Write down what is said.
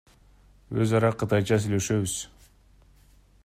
Өз ара кытайча сүйлөшөбүз.